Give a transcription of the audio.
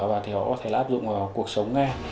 và thì họ có thể áp dụng vào cuộc sống nghe